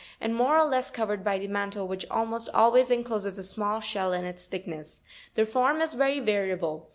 81), and more or less covered by the mantle, which almost al ways encloses a small shell in its thickness. — Their form is very variable.